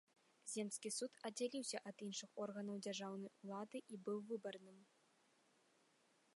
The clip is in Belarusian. Земскі суд аддзяляўся ад іншых органаў дзяржаўнай улады і быў выбарным.